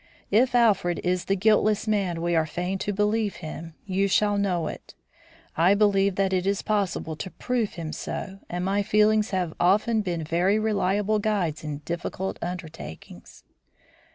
If Alfred is the guiltless man we are fain to believe him, you shall know it. I feel that it is possible to prove him so, and my feelings have often been very reliable guides in difficult undertakings."